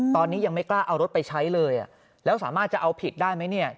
ตอนนี้ยังไม่กล้าเอารถไปใช้เลยแล้วสามารถจะเอาผิดได้ไหมเนี่ย